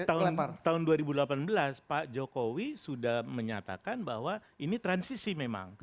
jadi tahun dua ribu delapan belas pak jokowi sudah menyatakan bahwa ini transisi memang